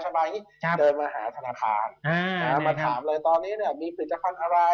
เจอมาหาธนาคารมาถามเลยตอนนี้น่ะมีผลิตภัณฑ์อะไร